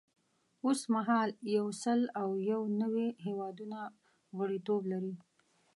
اوس مهال یو سل او یو نوي هیوادونه غړیتوب لري.